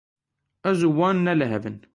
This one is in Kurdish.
Ez û wan ne li hev in.